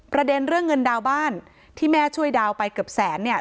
ประเด็นเรื่องเงินดาวบ้านที่แม่ช่วยดาวไปเกือบแสนเนี่ย